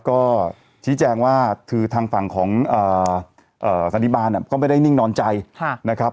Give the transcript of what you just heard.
ก็ชี้แจงว่าคือทางฝั่งของสันติบาลก็ไม่ได้นิ่งนอนใจนะครับ